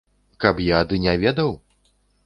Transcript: Каб я ды не ведаў?